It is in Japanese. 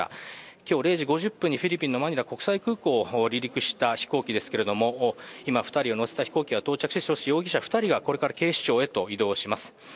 今日０時５０分にフィリピンのマニラ国際空港を出発した飛行機ですけれども今、２人を乗せた飛行機が到着して、容疑者２人がこれから警視庁へと移動します。